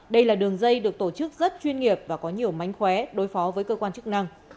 đây là đường dây được tổ chức rất chuyên nghiệp và có nhiều mánh khóe đối phó với cơ quan chức năng